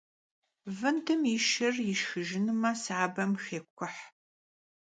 Vındım yi şşır yişşxıjjınume, sabem xêkuh.